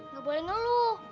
gak boleh ngeluh